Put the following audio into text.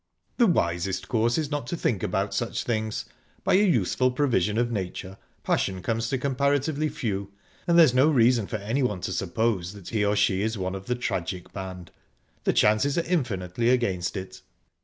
"The wisest course is not to think about such things. By a useful provision of nature, passion comes to comparatively few, and there's no reason for anyone to suppose that he or she is one of the tragic band. The chances are infinitely against it."